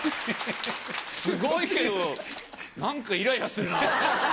すごいけど何かイライラするな。